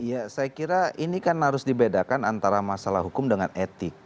ya saya kira ini kan harus dibedakan antara masalah hukum dengan etik